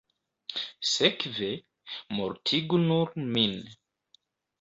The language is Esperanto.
Sekve, mortigu nur min.